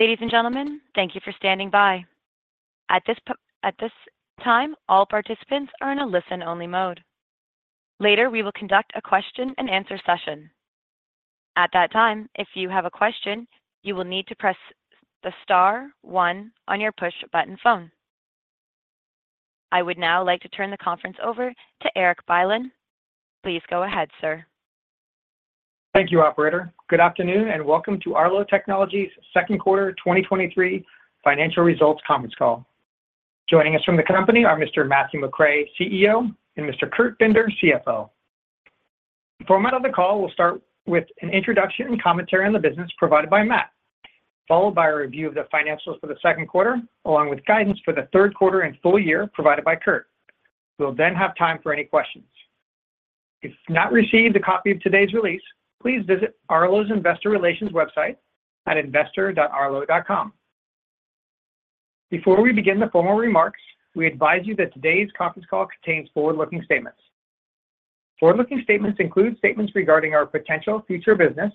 Ladies and gentlemen, thank you for standing by. At this time, all participants are in a listen-only mode. Later, we will conduct a question-and-answer session. At that time, if you have a question, you will need to press the star one on your push-button phone. I would now like to turn the conference over to Erik Bylin. Please go ahead, sir. Thank you, operator. Good afternoon, and welcome to Arlo Technologies' Second Quarter 2023 Financial Results Conference Call. Joining us from the company are Mr. Matthew McRae, CEO, and Mr. Kurt Binder, CFO. The format of the call will start with an introduction and commentary on the business provided by Matt, followed by a review of the financials for the second quarter, along with guidance for the third quarter and full year provided by Kurt. We'll then have time for any questions. If you've not received a copy of today's release, please visit Arlo's Investor Relations website at investor.arlo.com. Before we begin the formal remarks, we advise you that today's conference call contains forward-looking statements. Forward-looking statements include statements regarding our potential future business,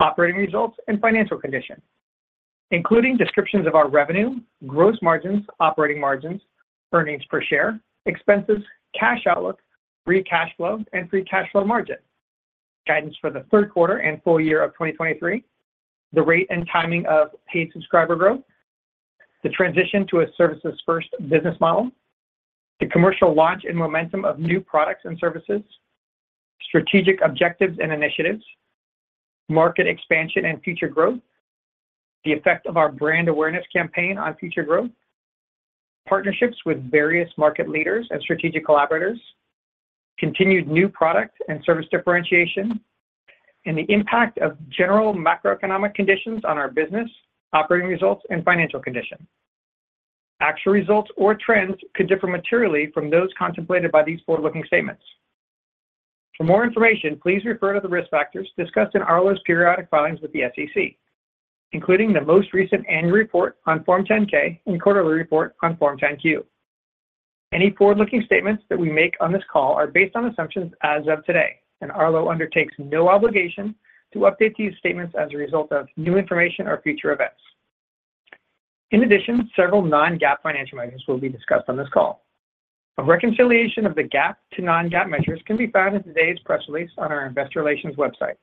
operating results, and financial conditions, including descriptions of our revenue, gross margins, operating margins, earnings per share, expenses, cash outlook, free cash flow, and free cash flow margin, guidance for the third quarter and full year of 2023, the rate and timing of paid subscriber growth, the transition to a services-first business model, the commercial launch and momentum of new products and services, strategic objectives and initiatives, market expansion and future growth, the effect of our brand awareness campaign on future growth, partnerships with various market leaders and strategic collaborators, continued new product and service differentiation, and the impact of general macroeconomic conditions on our business, operating results, and financial conditions. Actual results or trends could differ materially from those contemplated by these forward-looking statements. For more information, please refer to the risk factors discussed in Arlo's periodic filings with the SEC, including the most recent annual report on Form 10-K and quarterly report on Form 10-Q. Arlo undertakes no obligation to update these statements as a result of new information or future events. In addition, several non-GAAP financial measures will be discussed on this call. A reconciliation of the GAAP to non-GAAP measures can be found in today's press release on our Investor Relations website.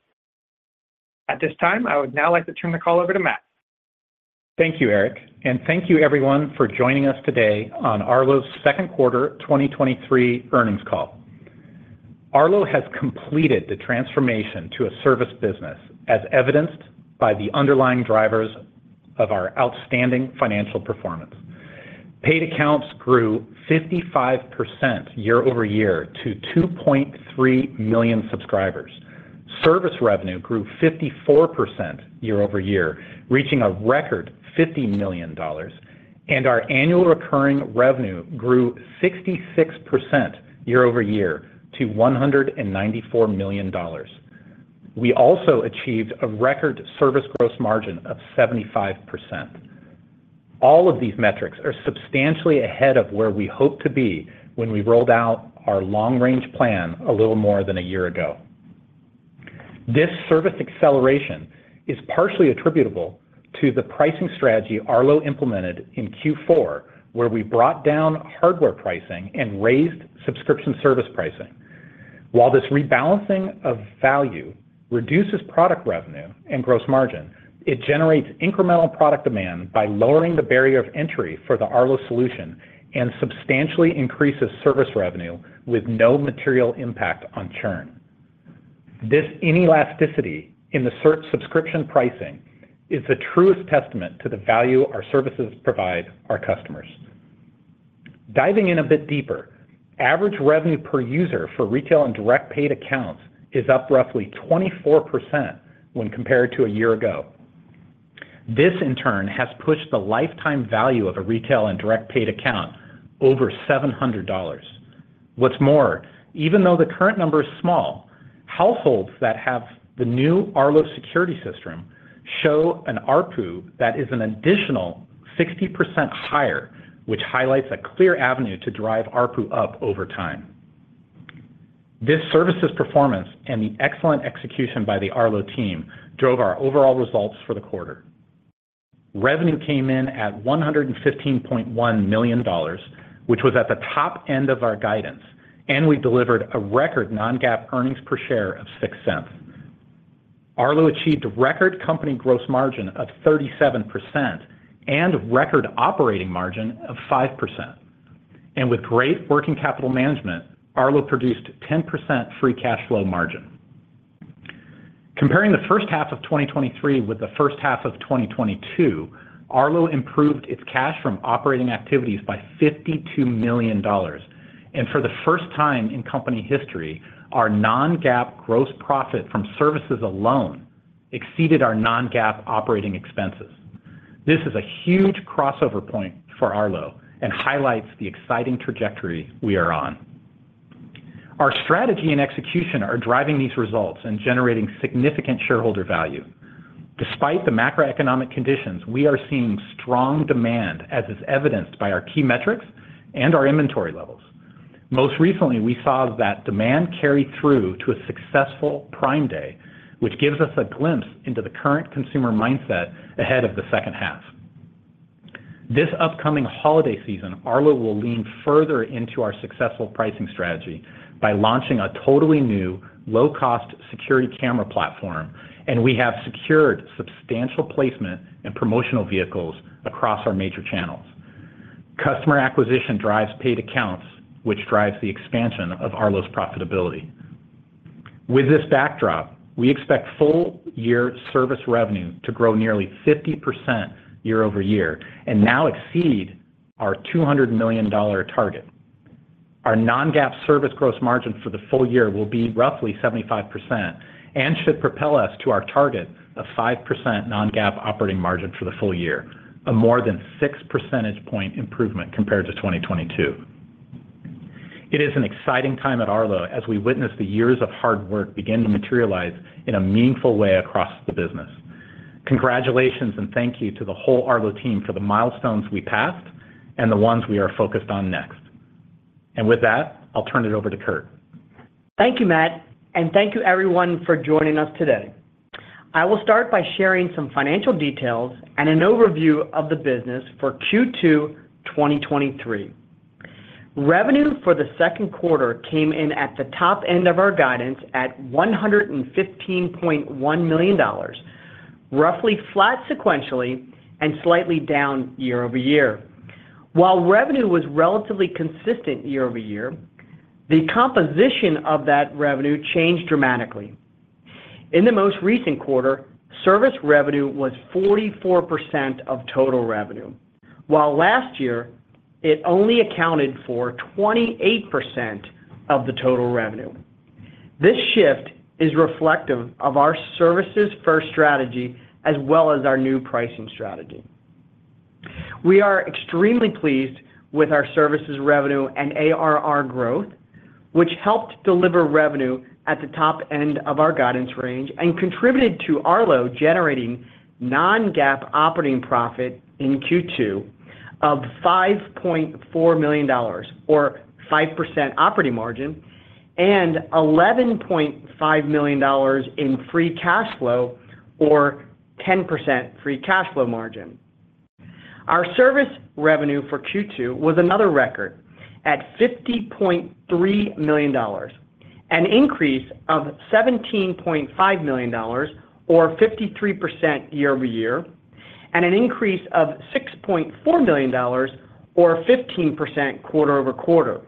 At this time, I would now like to turn the call over to Matt. Thank you, Erik, and thank you everyone for joining us today on Arlo's Second Quarter 2023 Earnings Call. Arlo has completed the transformation to a service business, as evidenced by the underlying drivers of our outstanding financial performance. Paid accounts grew 55% year-over-year to 2.3 million subscribers. Service revenue grew 54% year-over-year, reaching a record $50 million, and our annual recurring revenue grew 66% year-over-year to $194 million. We also achieved a record service gross margin of 75%. All of these metrics are substantially ahead of where we hoped to be when we rolled out our long-range plan a little more than a year ago. This service acceleration is partially attributable to the pricing strategy Arlo implemented in Q4, where we brought down hardware pricing and raised subscription service pricing. While this rebalancing of value reduces product revenue and gross margin, it generates incremental product demand by lowering the barrier of entry for the Arlo Solution and substantially increases service revenue with no material impact on churn. This inelasticity in the subscription pricing is the truest testament to the value our services provide our customers. Diving in a bit deeper, average revenue per user for retail and direct paid accounts is up roughly 24% when compared to a year ago. This, in turn, has pushed the lifetime value of a retail and direct paid account over $700. What's more, even though the current number is small, households that have the new Arlo security system show an ARPU that is an additional 60% higher, which highlights a clear avenue to drive ARPU up over time. This services performance and the excellent execution by the Arlo team drove our overall results for the quarter. Revenue came in at $115.1 million, which was at the top end of our guidance, and we delivered a record non-GAAP earnings per share of $0.06. Arlo achieved a record company gross margin of 37% and record operating margin of 5%. With great working capital management, Arlo produced 10% free cash flow margin. Comparing the first half of 2023 with the first half of 2022, Arlo improved its cash from operating activities by $52 million. For the first time in company history, our non-GAAP gross profit from services alone exceeded our non-GAAP operating expenses. This is a huge crossover point for Arlo and highlights the exciting trajectory we are on. Our strategy and execution are driving these results and generating significant shareholder value. Despite the macroeconomic conditions, we are seeing strong demand, as is evidenced by our key metrics and our inventory levels. Most recently, we saw that demand carry through to a successful Prime Day, which gives us a glimpse into the current consumer mindset ahead of the second half. This upcoming holiday season, Arlo will lean further into our successful pricing strategy by launching a totally new low-cost security camera platform. We have secured substantial placement and promotional vehicles across our major channels. Customer acquisition drives paid accounts, which drives the expansion of Arlo's profitability. With this backdrop, we expect full-year service revenue to grow nearly 50% year-over-year and now exceed our $200 million target. Our non-GAAP service gross margin for the full year will be roughly 75% and should propel us to our target of 5% non-GAAP operating margin for the full year, a more than 6 percentage point improvement compared to 2022. It is an exciting time at Arlo as we witness the years of hard work begin to materialize in a meaningful way across the business. Congratulations and thank you to the whole Arlo team for the milestones we passed and the ones we are focused on next. With that, I'll turn it over to Kurt. Thank you, Matt, and thank you everyone for joining us today. I will start by sharing some financial details and an overview of the business for Q2 2023. Revenue for the second quarter came in at the top end of our guidance at $115.1 million, roughly flat sequentially and slightly down year-over-year. While revenue was relatively consistent year-over-year, the composition of that revenue changed dramatically. In the most recent quarter, service revenue was 44% of total revenue, while last year it only accounted for 28% of the total revenue. This shift is reflective of our services-first strategy as well as our new pricing strategy. We are extremely pleased with our services revenue and ARR growth, which helped deliver revenue at the top end of our guidance range and contributed to Arlo generating non-GAAP operating income in Q2 of $5.4 million or 5% operating margin and $11.5 million in free cash flow, or 10% free cash flow margin. Our service revenue for Q2 was another record at $50.3 million, an increase of $17.5 million, or 53% year-over-year, and an increase of $6.4 million, or 15% quarter-over-quarter.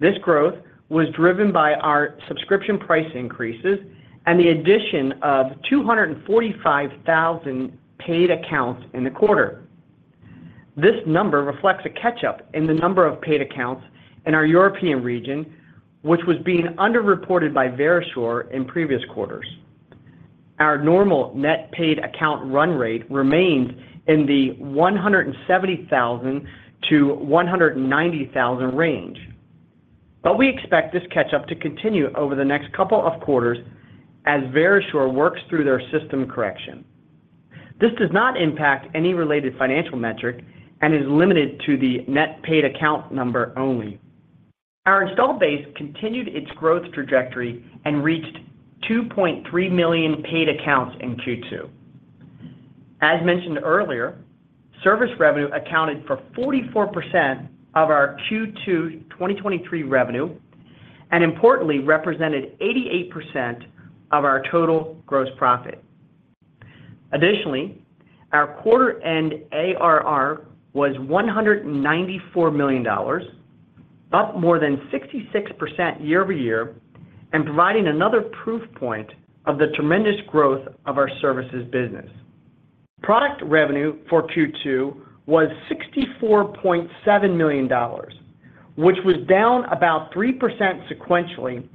This growth was driven by our subscription price increases and the addition of 245,000 paid accounts in the quarter. This number reflects a catch-up in the number of paid accounts in our European region, which was being underreported by Verisure in previous quarters. Our normal net paid account run rate remains in the 170,000-190,000 range, but we expect this catch-up to continue over the next couple of quarters as Verisure works through their system correction. This does not impact any related financial metric and is limited to the net paid account number only. Our installed base continued its growth trajectory and reached 2.3 million paid accounts in Q2. As mentioned earlier, service revenue accounted for 44% of our Q2 2023 revenue, and importantly, represented 88% of our total gross profit. Additionally, our quarter end ARR was $194 million, up more than 66% year-over-year, and providing another proof point of the tremendous growth of our services business. Product revenue for Q2 was $64.7 million, which was down about 3% sequentially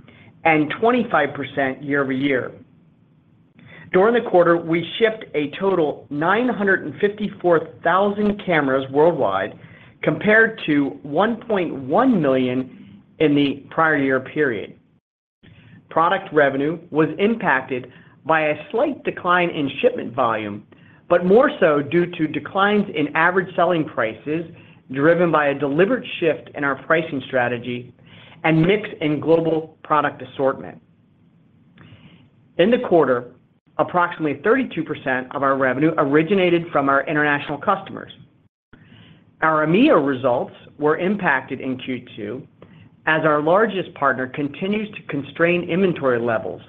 and 25% year-over-year. During the quarter, we shipped a total 954,000 cameras worldwide, compared to 1.1 million in the prior year period. Product revenue was impacted by a slight decline in shipment volume, but more so due to declines in average selling prices, driven by a deliberate shift in our pricing strategy and mix in global product assortment. In the quarter, approximately 32% of our revenue originated from our international customers. Our EMEA results were impacted in Q2 as our largest partner continues to constrain inventory levels,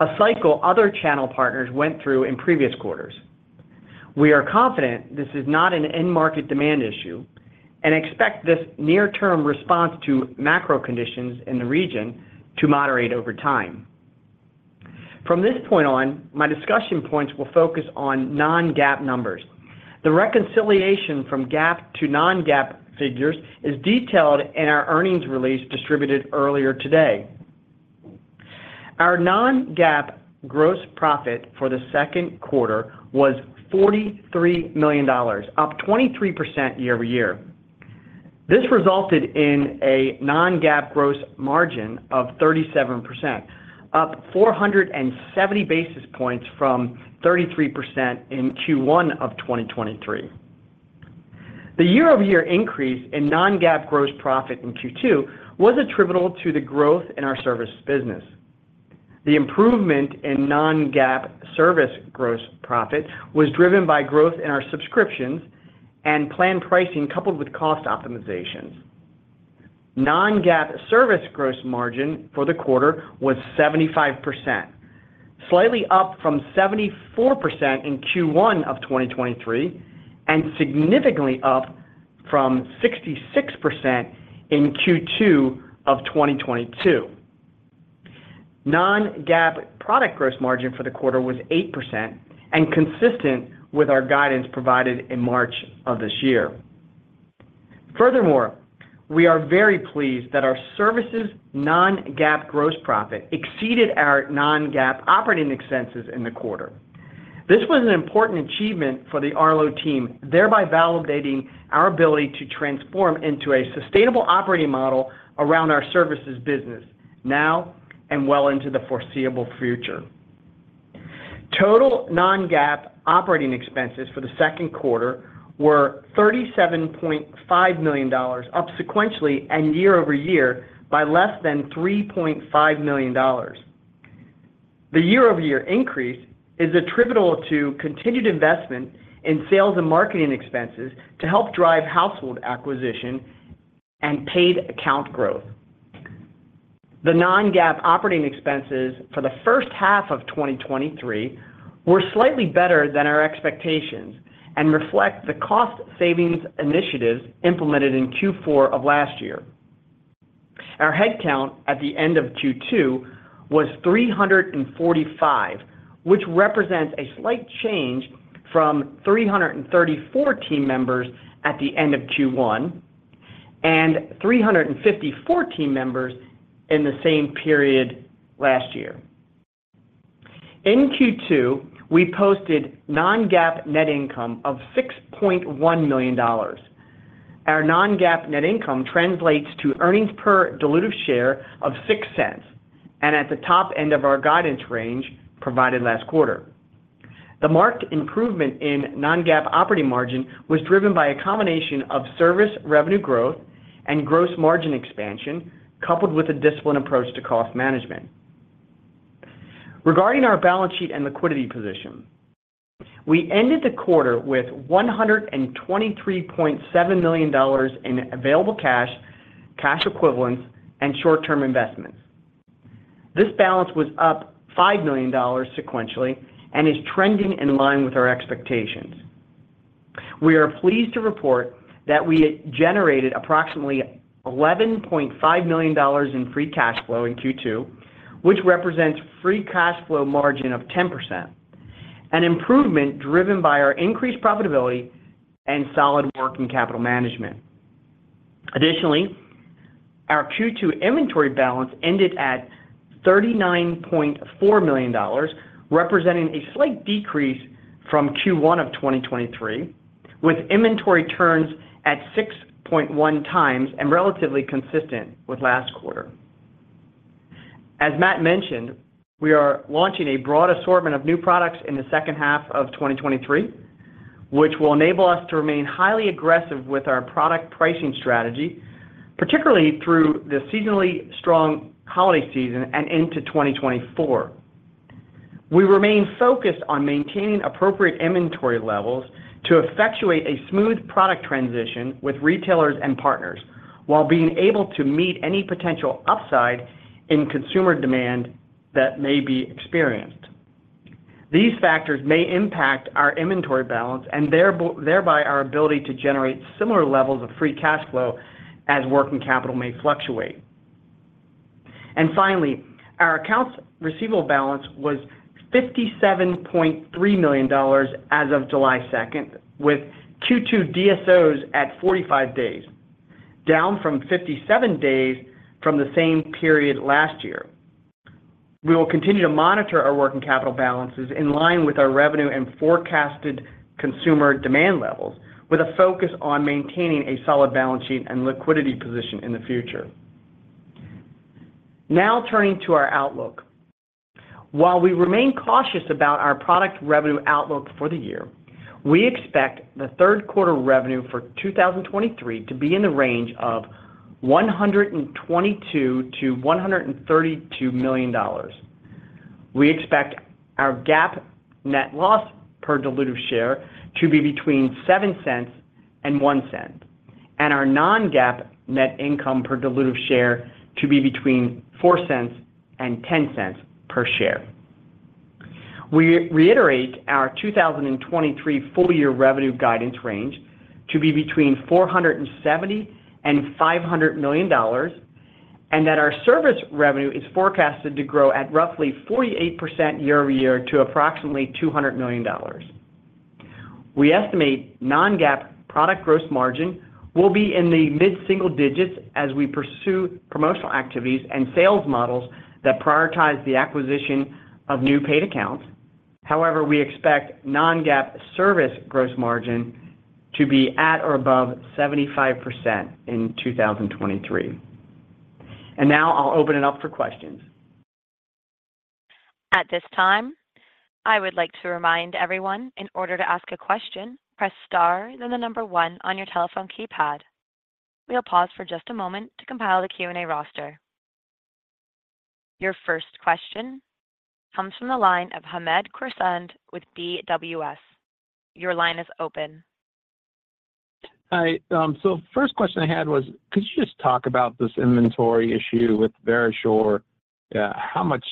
a cycle other channel partners went through in previous quarters. We are confident this is not an end market demand issue and expect this near-term response to macro conditions in the region to moderate over time. From this point on, my discussion points will focus on non-GAAP numbers. The reconciliation from GAAP to non-GAAP figures is detailed in our earnings release distributed earlier today. Our non-GAAP gross profit for the second quarter was $43 million, up 23% year-over-year. This resulted in a non-GAAP gross margin of 37%, up 470 basis points from 33% in Q1 of 2023. The year-over-year increase in non-GAAP gross profit in Q2 was attributable to the growth in our service business. The improvement in non-GAAP services gross profit was driven by growth in our subscriptions and plan pricing, coupled with cost optimizations. Non-GAAP service gross margin for the quarter was 75%, slightly up from 74% in Q1 of 2023, and significantly up from 66% in Q2 of 2022. Non-GAAP product gross margin for the quarter was 8% and consistent with our guidance provided in March of this year. Furthermore, we are very pleased that our services non-GAAP gross profit exceeded our non-GAAP operating expenses in the quarter. This was an important achievement for the Arlo team, thereby validating our ability to transform into a sustainable operating model around our services business now and well into the foreseeable future. Total non-GAAP operating expenses for the second quarter were $37.5 million, up sequentially and year-over-year by less than $3.5 million. The year-over-year increase is attributable to continued investment in sales and marketing expenses to help drive household acquisition and paid account growth. The non-GAAP operating expenses for the first half of 2023 were slightly better than our expectations and reflect the cost savings initiatives implemented in Q4 of last year. Our headcount at the end of Q2 was 345, which represents a slight change from 334 team members at the end of Q1 and 354 team members in the same period last year. In Q2, we posted non-GAAP net income of $6.1 million. Our non-GAAP net income translates to earnings per diluted share of $0.06, and at the top end of our guidance range provided last quarter. The marked improvement in non-GAAP operating margin was driven by a combination of service revenue growth and gross margin expansion, coupled with a disciplined approach to cost management. Regarding our balance sheet and liquidity position, we ended the quarter with $123.7 million in available cash, cash equivalents, and short-term investments. This balance was up $5 million sequentially and is trending in line with our expectations. We are pleased to report that we generated approximately $11.5 million in free cash flow in Q2, which represents free cash flow margin of 10%, an improvement driven by our increased profitability and solid working capital management. Additionally, our Q2 inventory balance ended at $39.4 million, representing a slight decrease from Q1 of 2023, with inventory turns at 6.1x and relatively consistent with last quarter. As Matt mentioned, we are launching a broad assortment of new products in the second half of 2023, which will enable us to remain highly aggressive with our product pricing strategy, particularly through the seasonally strong holiday season and into 2024. We remain focused on maintaining appropriate inventory levels to effectuate a smooth product transition with retailers and partners, while being able to meet any potential upside in consumer demand that may be experienced. These factors may impact our inventory balance and thereby our ability to generate similar levels of free cash flow as working capital may fluctuate. Finally, our accounts receivable balance was $57.3 million as of July second, with Q2 DSOs at 45 days, down from 57 days from the same period last year. We will continue to monitor our working capital balances in line with our revenue and forecasted consumer demand levels, with a focus on maintaining a solid balance sheet and liquidity position in the future. Now, turning to our outlook. While we remain cautious about our product revenue outlook for the year, we expect the third quarter revenue for 2023 to be in the range of $122 million-$132 million. We expect our GAAP net loss per diluted share to be between $0.07 and $0.01, and our non-GAAP net income per diluted share to be between $0.04 and $0.10 per share. We reiterate our 2023 full year revenue guidance range to be between $470 million-$500 million, and that our service revenue is forecasted to grow at roughly 48% year-over-year to approximately $200 million. We estimate non-GAAP product gross margin will be in the mid-single digits as we pursue promotional activities and sales models that prioritize the acquisition of new paid accounts. However, we expect non-GAAP service gross margin to be at or above 75% in 2023. Now I'll open it up for questions. At this time, I would like to remind everyone, in order to ask a question, press star, then one on your telephone keypad. We'll pause for just a moment to compile the Q&A roster. Your first question comes from the line of Hamed Khorsand with BWS. Your line is open. Hi, so first question I had was, could you just talk about this inventory issue with Verisure? How much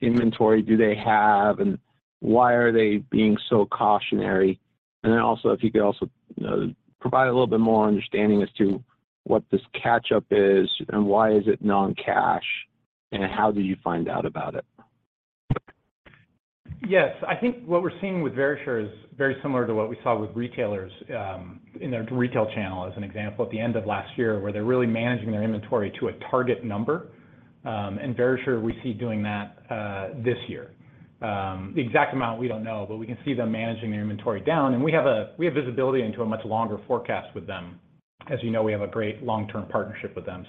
inventory do they have, and why are they being so cautionary? Then also, if you could also, you know, provide a little bit more understanding as to what this catch-up is, and why is it non-cash, and how did you find out about it? Yes. I think what we're seeing with Verisure is very similar to what we saw with retailers, in their retail channel, as an example, at the end of last year, where they're really managing their inventory to a target number. Verisure we see doing that, this year. The exact amount, we don't know, but we can see them managing their inventory down, and we have visibility into a much longer forecast with them. As you know, we have a great long-term partnership with them.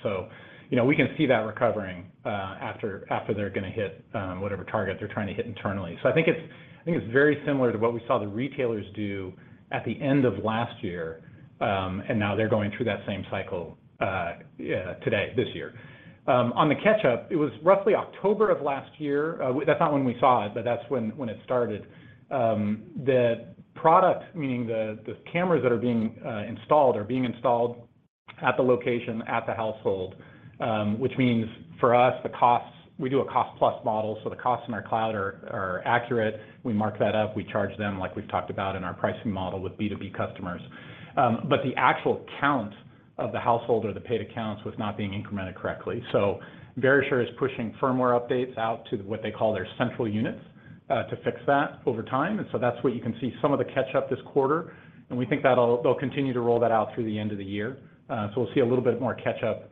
You know, we can see that recovering, after, after they're gonna hit, whatever target they're trying to hit internally. I think it's very similar to what we saw the retailers do at the end of last year, and now they're going through that same cycle, today, this year. On the catch-up, it was roughly October of last year, that's not when we saw it, but that's when it started. The product, meaning, the cameras that are being installed, are being installed at the location, at the household, which means for us, the costs. We do a cost-plus model. The costs in our cloud are accurate. We mark that up, we charge them like we've talked about in our pricing model with B2B customers. The actual count of the household or the paid accounts was not being incremented correctly. Verisure is pushing firmware updates out to what they call their central units to fix that over time. That's what you can see some of the catch-up this quarter, and we think they'll continue to roll that out through the end of the year. We'll see a little bit more catch-up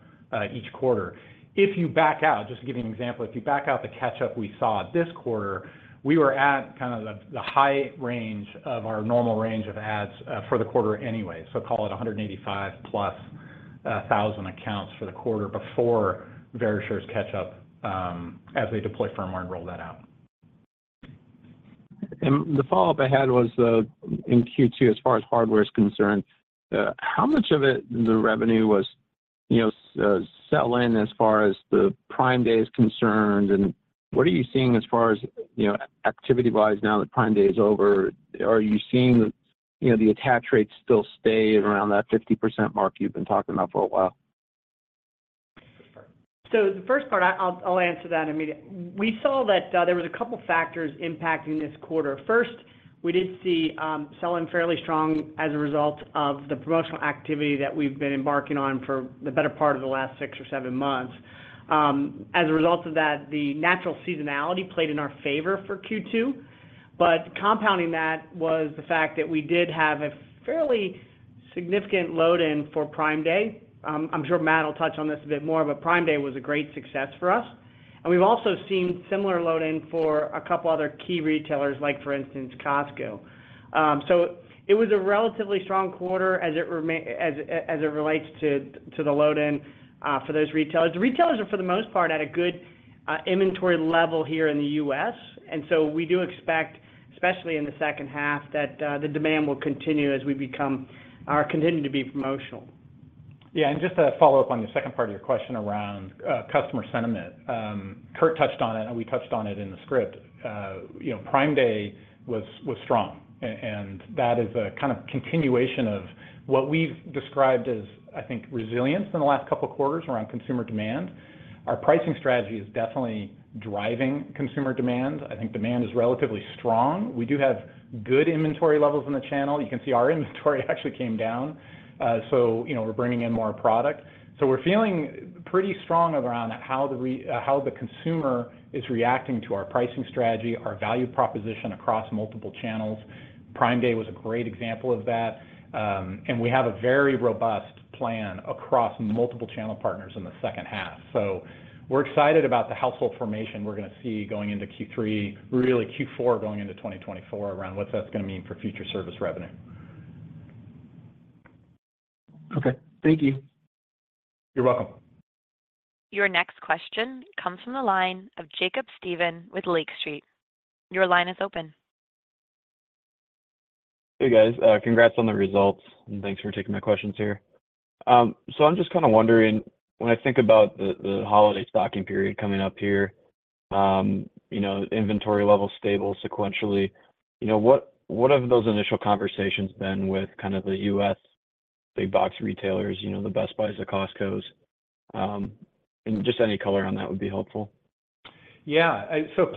each quarter. If you back out, just to give you an example, if you back out the catch-up we saw this quarter, we were at kind of the high range of our normal range of ads for the quarter anyway. Call it 185+ thousand accounts for the quarter before Verisure's catch-up, as they deploy firmware and roll that out. The follow-up I had was, in Q2, as far as hardware is concerned, how much of it, the revenue, was, you know, sell in as far as the Prime Day is concerned, and what are you seeing as far as, you know, activity-wise now that Prime Day is over? Are you seeing, you know, the attach rate still stay around that 50% mark you've been talking about for a while? The first part, I'll answer that immediately. We saw that there was a couple factors impacting this quarter. First, we did see sell-in fairly strong as a result of the promotional activity that we've been embarking on for the better part of the last six or seven months. As a result of that, the natural seasonality played in our favor for Q2, but compounding that was the fact that we did have a fairly significant load-in for Prime Day. I'm sure Matt will touch on this a bit more, but Prime Day was a great success for us, and we've also seen similar load-in for a couple other key retailers, like, for instance, Costco. It was a relatively strong quarter as it relates to the load-in for those retailers. The retailers are, for the most part, at a good inventory level here in the U.S., and so we do expect, especially in the second half, that the demand will continue as we become continue to be promotional. Yeah, and just to follow up on the second part of your question around customer sentiment. Kurt touched on it, and we touched on it in the script. You know, Prime Day was, was strong, and that is a kind of continuation of what we've described as, I think, resilience in the last couple of quarters around consumer demand. Our pricing strategy is definitely driving consumer demand. I think demand is relatively strong. We do have good inventory levels in the channel. You can see our inventory actually came down, so, you know, we're bringing in more product. So we're feeling pretty strong around how the consumer is reacting to our pricing strategy, our value proposition across multiple channels. Prime Day was a great example of that, and we have a very robust plan across multiple channel partners in the second half. We're excited about the household formation we're going to see going into Q3, really Q4, going into 2024, around what that's going to mean for future service revenue. Okay. Thank you. You're welcome. Your next question comes from the line of Jacob Stephan with Lake Street. Your line is open. Hey, guys. congrats on the results, and thanks for taking my questions here. I'm just kind of wondering, when I think about the, the holiday stocking period coming up here, you know, inventory levels stable sequentially, you know, what, what have those initial conversations been with kind of the U.S. big-box retailers, you know, the Best Buy, the Costco? Just any color on that would be helpful. Yeah.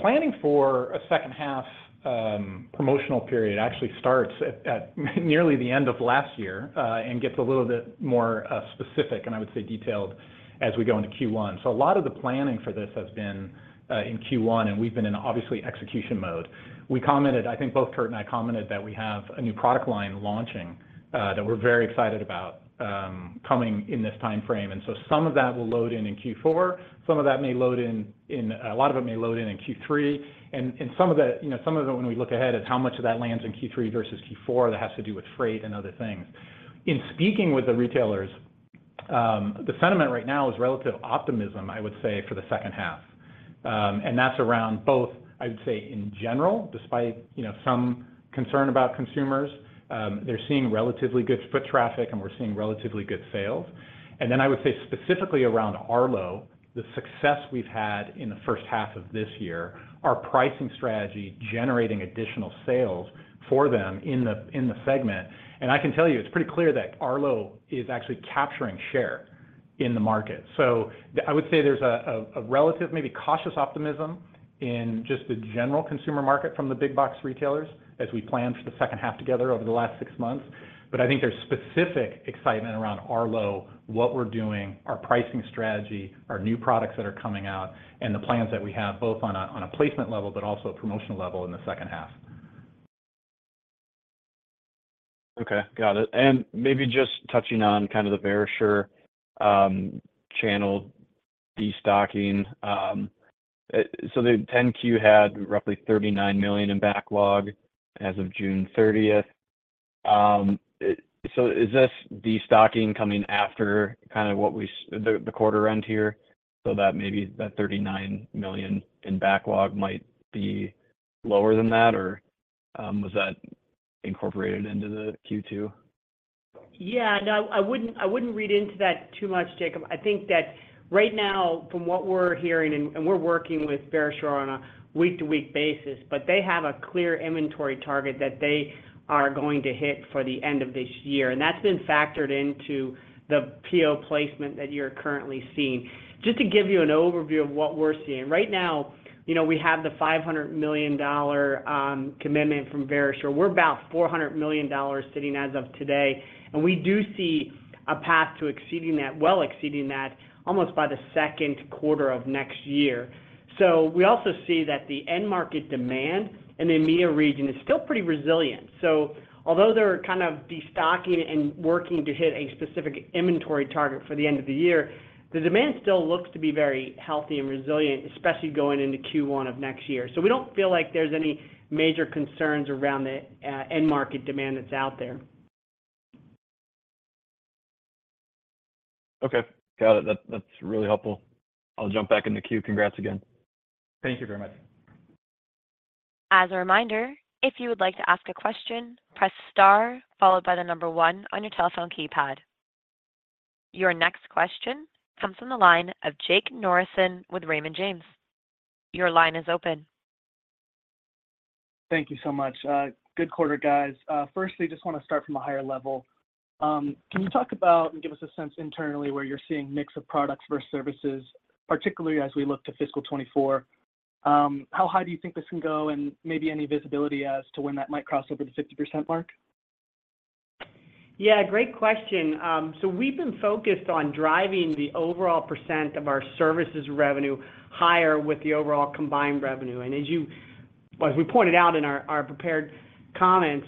Planning for a second half promotional period actually starts at, at nearly the end of last year, and gets a little bit more specific and I would say detailed, as we go into Q1. A lot of the planning for this has been in Q1, and we've been in, obviously, execution mode. We commented, I think both Kurt and I commented, that we have a new product line launching that we're very excited about coming in this timeframe. Some of that will load in in Q4, some of that may load in, A lot of it may load in in Q3. Some of the, you know, some of it, when we look ahead at how much of that lands in Q3 versus Q4, that has to do with freight and other things. In speaking with the retailers, the sentiment right now is relative optimism, I would say, for the second half. That's around both, I'd say, in general, despite, you know, some concern about consumers, they're seeing relatively good foot traffic, and we're seeing relatively good sales. Then I would say specifically around Arlo, the success we've had in the first half of this year, our pricing strategy generating additional sales for them in the segment. I can tell you, it's pretty clear that Arlo is actually capturing share in the market. I would say there's a relative, maybe cautious optimism in just the general consumer market from the big box retailers as we plan for the second half together over the last six months. I think there's specific excitement around Arlo, what we're doing, our pricing strategy, our new products that are coming out, and the plans that we have, both on a placement level, but also a promotional level in the second half. Okay, got it. Maybe just touching on kind of the Verisure channel destocking. So the 10-Q had roughly $39 million in backlog as of June 30. So is this destocking coming after kind of what we, the quarter end here, so that maybe that $39 million in backlog might be lower than that or was that incorporated into the Q2? Yeah, no, I wouldn't read into that too much, Jacob. I think that right now, from what we're hearing, and, and we're working with Verisure on a week-to-week basis, but they have a clear inventory target that they are going to hit for the end of this year, and that's been factored into the PO placement that you're currently seeing. Just to give you an overview of what we're seeing, right now, you know, we have the $500 million commitment from Verisure. We're about $400 million sitting as of today, and we do see a path to exceeding that, well exceeding that, almost by the second quarter of next year. We also see that the end market demand in the EMEA region is still pretty resilient. Although they're kind of destocking and working to hit a specific inventory target for the end of the year, the demand still looks to be very healthy and resilient, especially going into Q1 of next year. We don't feel like there's any major concerns around the end market demand that's out there. Okay. Got it. That, that's really helpful. I'll jump back in the queue. Congrats again. Thank you very much. As a reminder, if you would like to ask a question, press star, followed by the one on your telephone keypad. Your next question comes from the line of Jake Norrison with Raymond James. Your line is open. Thank you so much. Good quarter, guys. Firstly, just want to start from a higher level. Can you talk about and give us a sense internally, where you're seeing mix of products versus services, particularly as we look to fiscal 2024? How high do you think this can go, and maybe any visibility as to when that might cross over the 60% mark? Yeah, great question. We've been focused on driving the overall percent of our services revenue higher with the overall combined revenue. As we pointed out in our, our prepared comments,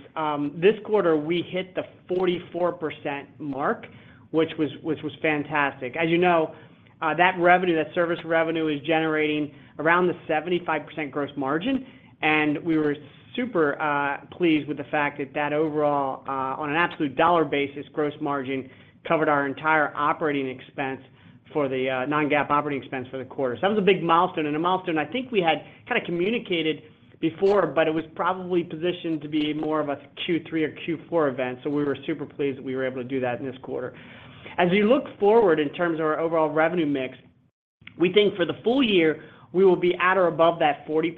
this quarter, we hit the 44% mark, which was fantastic. As you know, that revenue, that service revenue, is generating around the 75% gross margin, and we were super pleased with the fact that that overall, on an absolute dollar basis, gross margin covered our entire operating expense for the non-GAAP operating expense for the quarter. That was a big milestone, and a milestone I think we had kind of communicated before, but it was probably positioned to be more of a Q3 or Q4 event. We were super pleased that we were able to do that in this quarter. As we look forward in terms of our overall revenue mix, we think for the full year, we will be at or above that 40%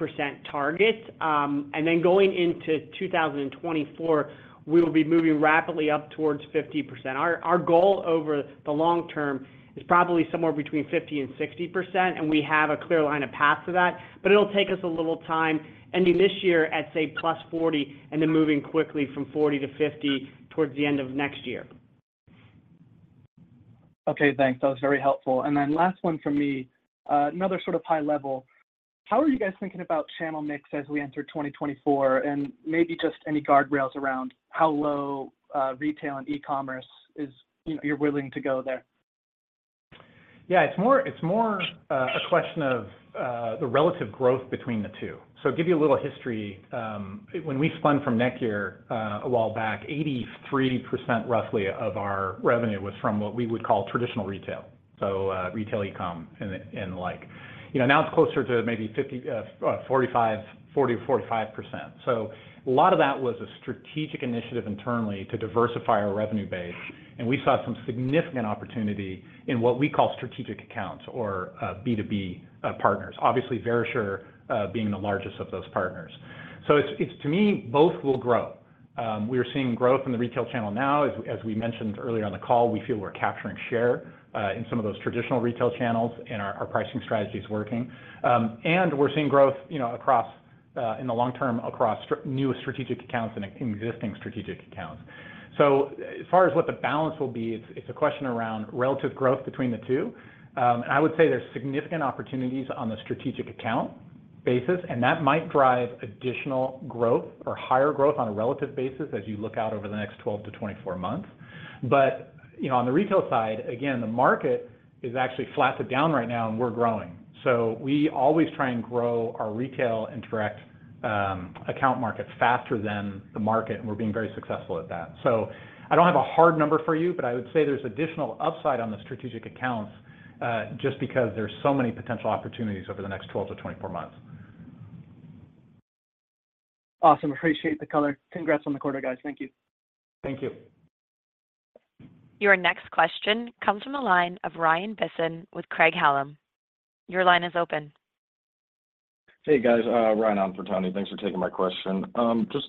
target. Going into 2024, we will be moving rapidly up towards 50%. Our goal over the long term is probably somewhere between 50% and 60%, and we have a clear line of path to that, but it'll take us a little time ending this year at, say, +40, and then moving quickly from 40 to 50 towards the end of next year. Okay, thanks. That was very helpful. Last one from me, another sort of high level. How are you guys thinking about channel mix as we enter 2024? Maybe just any guardrails around how low retail and e-commerce is, you know, you're willing to go there? Yeah, it's more, it's more, a question of the relative growth between the two. Give you a little history, when we spun from NETGEAR, a while back, 83%, roughly, of our revenue was from what we would call traditional retail, retail e-com and the like. You know, now it's closer to maybe, 40%-45%. A lot of that was a strategic initiative internally to diversify our revenue base, and we saw some significant opportunity in what we call strategic accounts or B2B partners. Obviously, Verisure being the largest of those partners. It's to me, both will grow. We are seeing growth in the retail channel now. As we, as we mentioned earlier on the call, we feel we're capturing share in some of those traditional retail channels, and our, our pricing strategy is working. We're seeing growth, you know, across in the long term, across new strategic accounts and existing strategic accounts. As far as what the balance will be, it's, it's a question around relative growth between the two. I would say there's significant opportunities on the strategic account basis, and that might drive additional growth or higher growth on a relative basis as you look out over the next 12 to 24 months. You know, on the retail side, again, the market is actually flat to down right now, and we're growing. We always try and grow our retail and direct, account markets faster than the market, and we're being very successful at that. I don't have a hard number for you, but I would say there's additional upside on the strategic accounts, just because there's so many potential opportunities over the next 12 to 24 months. Awesome. Appreciate the color. Congrats on the quarter, guys. Thank you. Thank you. Your next question comes from the line of Rian Bisson with Craig-Hallum. Your line is open. Hey, guys, Rian on for Tony. Thanks for taking my question. Just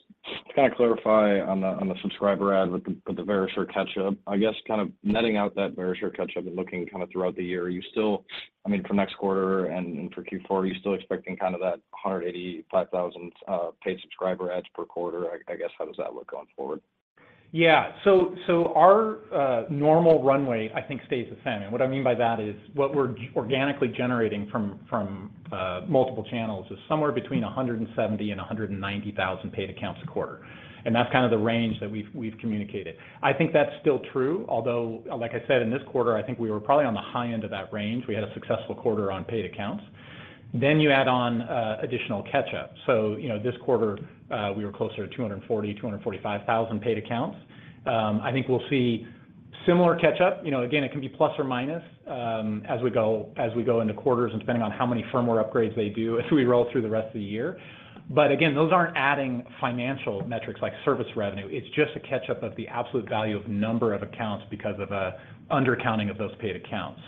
to kind of clarify on the, on the subscriber add with the, with the Verisure catch-up, I guess kind of netting out that Verisure catch-up and looking kind of throughout the year, are you still, I mean, for next quarter and for Q4, are you still expecting kind of that 185,000 paid subscriber adds per quarter? I guess, how does that look going forward? Yeah. So our normal runway, I think, stays the same, and what I mean by that is, what we're organically generating from, from multiple channels is somewhere between 170,000-190,000 paid accounts a quarter, and that's kind of the range that we've communicated. I think that's still true, although, like I said, in this quarter, I think we were probably on the high end of that range. We had a successful quarter on paid accounts. Then you add on additional catch-up. You know, this quarter, we were closer to 240,000-245,000 paid accounts. I think we'll see similar catch-up. You know, again, it can be plus or minus, as we go into quarters and depending on how many firmware upgrades they do as we roll through the rest of the year. Again, those aren't adding financial metrics like service revenue. It's just a catch-up of the absolute value of number of accounts because of a undercounting of those paid accounts.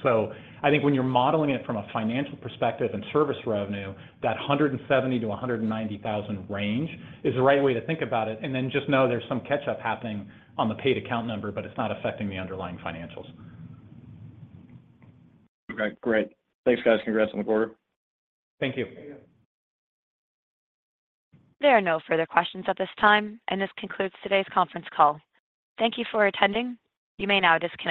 I think when you're modeling it from a financial perspective and service revenue, that 170,000-190,000 range is the right way to think about it, and then just know there's some catch-up happening on the paid account number, but it's not affecting the underlying financials. Okay, great. Thanks, guys. Congrats on the quarter. Thank you. There are no further questions at this time, and this concludes today's conference call. Thank you for attending. You may now disconnect.